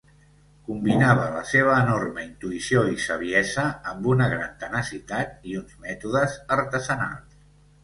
Combinava la seva enorme intuïció i saviesa amb una gran tenacitat i uns mètodes artesanals.